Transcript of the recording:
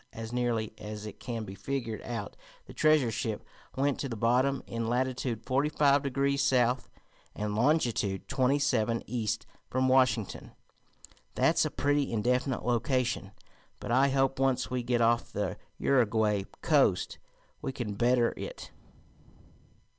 As nearly as it can be figured out the treasure ship went to the bottom in latitude forty five degrees south, and longitude twenty seven east from Washington. That's a pretty indefinite location, but I hope, once we get off the Uruguay coast, we can better it.